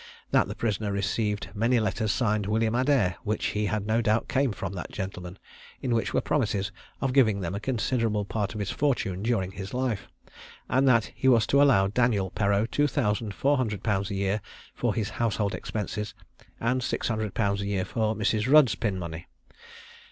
That the prisoner received many letters signed "William Adair," which he had no doubt came from that gentleman, in which were promises of giving them a considerable part of his fortune during his life; and that he was to allow Daniel Perreau two thousand four hundred pounds a year for his household expenses, and six hundred pounds a year for Mrs. Rudd's pin money.